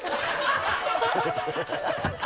ハハハ